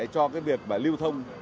cho cái việc liêu thông